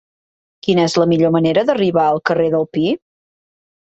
Quina és la millor manera d'arribar al carrer del Pi?